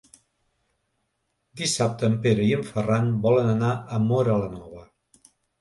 Dissabte en Pere i en Ferran volen anar a Móra la Nova.